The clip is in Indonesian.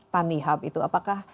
tanihub itu apakah